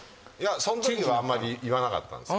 そのときはあんまり言わなかったんですよ。